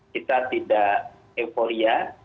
kita tidak euforia